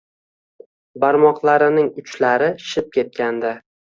Barmoqlarining uchlari shishib ketgandi